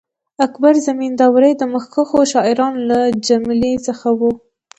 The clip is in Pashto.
اکبر زمینداوری د مخکښو شاعرانو له جملې څخه وو.